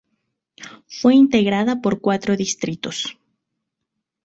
Fue integrada por cuatro distritos.